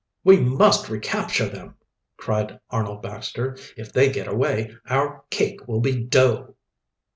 "We must recapture them," cried Arnold Baxter. "If they get away, our cake will be dough."